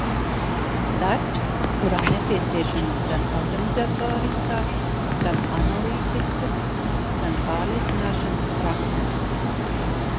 Darbs, kurā nepieciešamas gan organizatoriskas, gan analītiskas, gan pārliecināšanas prasmes.